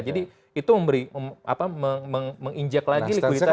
jadi itu menginjek lagi likuiditas di pasar